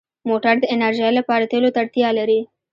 موټر د انرژۍ لپاره تېلو ته اړتیا لري.